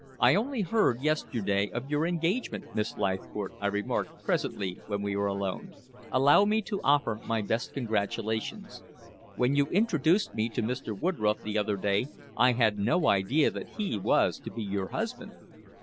"I only heard yesterday of your engagement, Miss Leithcourt," I remarked presently when we were alone. "Allow me to offer my best congratulations. When you introduced me to Mr. Woodroffe the other day I had no idea that he was to be your husband."